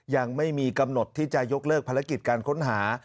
ยังไม่มีกำหนดที่จะยกเลิกภารกิจการค้นหา